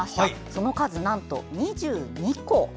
その数、なんと２２個。